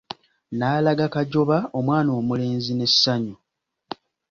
N'alaga Kajoba omwana omulenzi n'essanyu.